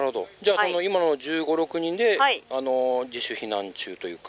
今の１５１６人で自主避難中というか。